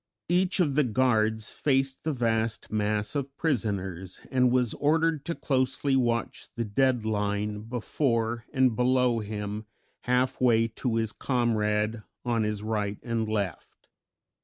Each of the guards faced the vast mass of prisoners and was ordered to closely watch the dead line before and below him half way to his comrade on his right and left.